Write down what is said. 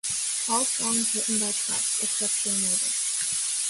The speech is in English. All songs written by Clutch except where noted.